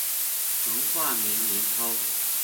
曾化名林涛。